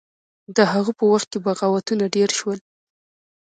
د هغه په وخت کې بغاوتونه ډیر شول.